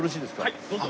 はいどうぞ。